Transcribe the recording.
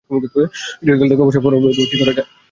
Cricket খেলা থেকে অবসর গ্রহণের পর কোচের দায়িত্ব পালন করছেন।